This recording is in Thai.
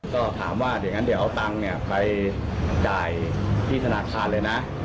ก็ถามว่าเดี๋ยวงั้นเดี๋ยวเอาตังค์ไปจ่ายที่ธนาคารเลยนะ